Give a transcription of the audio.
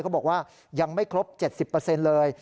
เขาบอกว่ายังไม่ครบ๗๐เลย